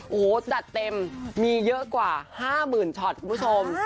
โอ้โหดัดเต็มมีเยอะกว่าห้าหมื่นช็อตคุณผู้ชม